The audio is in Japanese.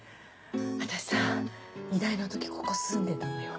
私さ医大の時ここ住んでたのよ。